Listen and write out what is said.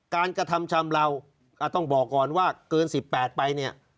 กระทำชำเลาต้องบอกก่อนว่าเกิน๑๘ไปเนี่ย